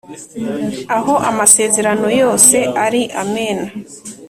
aho amasezerano yose ari amen